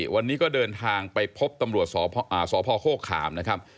วันนี้ก็เดินทางไปพบตำรวจสพโฆขามนะครับ